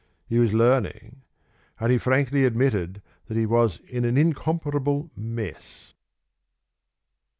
He was learning, and he frankly admitted that he was in an incomparable mess.